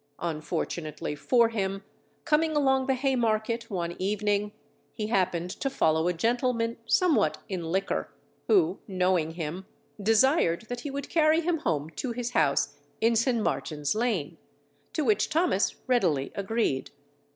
Unfortunately for him, coming along the Haymarket one evening, he happened to follow a gentleman somewhat in liquor, who knowing him, desired that he would carry him home to his house in St. Martin's Lane, to which Thomas readily agreed.